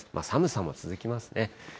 寒さも続きますね。